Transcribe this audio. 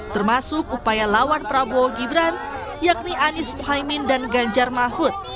termasuk upaya lawan prabowo gibran yakni anies mohaimin dan ganjar mahfud